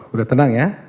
udah tenang ya